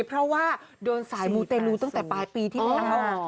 เพราะว่าโดนสายมูเตลูตั้งแต่ปลายปีที่แล้ว